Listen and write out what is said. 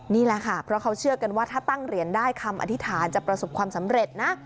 นี่แหละค่ะเพราะเขาเชื่อกันว่าถ้าตั้งเหรียญได้คำอธิษฐานจะประสบความสำเร็จนะ